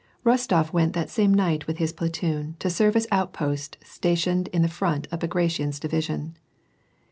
EosTOF went that same night with his platoon to serve as outposts stationed in front of Bagration's division.